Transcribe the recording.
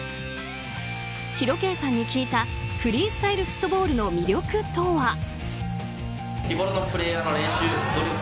ＨＩＲＯ‐Ｋさんに聞いたフリースタイルフットボールの魅力とは。